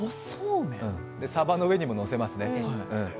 さばの上にものせますね。